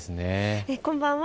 こんばんは。